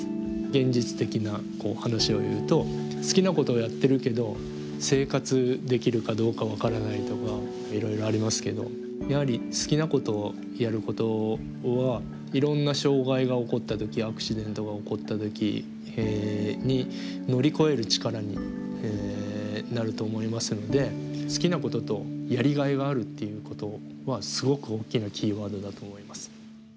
現実的な話を言うと好きなことをやってるけど生活できるかどうか分からないとかいろいろありますけどやはり好きなことをやることはいろんな障害が起こった時やアクシデントが起こった時に乗り越える力になると思いますので好きなこととやりがいがあるっていうことはすごく大きなキーワードだと思います。